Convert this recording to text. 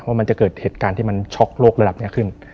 มันจะเกิดเหตุการณ์ที่มันช็อกโลกระดับนี้ขึ้น